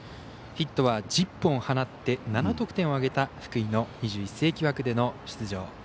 ヒットは１０本放って７得点を挙げた福井の２１世紀枠での出場